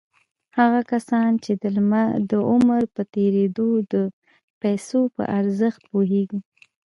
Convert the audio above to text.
هغه کسان چې د عمر په تېرېدو د پيسو په ارزښت پوهېږي.